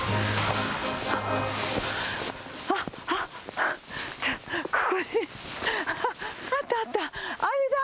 あっ、あっ、ちょっとここに、あった、あった、あれだ。